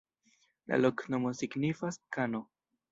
La loknomo signifas: kano.